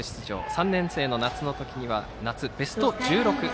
３年生の夏にはベスト１６。